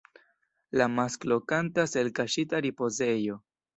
La masklo kantas el kaŝita ripozejo.